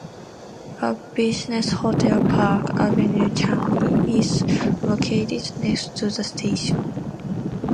A business hotel, Park Avenue Changi, is located next to the station.